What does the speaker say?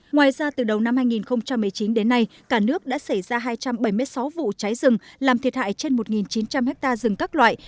ngoài ra từ đầu năm hai nghìn một mươi chín đến nay cả nước đã xảy ra hai trăm bảy mươi sáu vụ cháy rừng làm thiệt hại trên một chín trăm linh ha rừng các loại